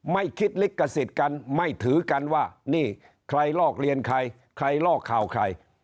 ไม่คิดลิขสิทธิ์กันไม่ถือกันว่านี่ใครลอกเรียนใครใครลอกข่าวใคร